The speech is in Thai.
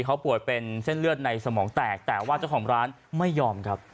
เขาป่วยเป็นเส้นเลือดในสมองแตกแต่ว่าเจ้าของร้านไม่ยอมครับ